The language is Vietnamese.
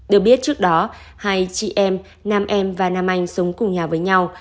được biết trước đó hai chị em nam em và nam anh sống cùng nhà với nhau